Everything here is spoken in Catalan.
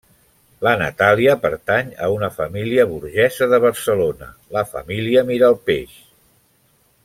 La Natàlia pertany a una família burgesa de Barcelona, la família Miralpeix.